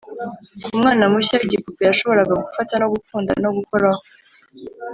kumwana mushya wigipupe yashoboraga gufata no gukunda no gukoraho